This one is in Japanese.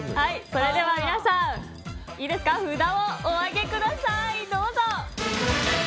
それでは皆さん札をお上げください。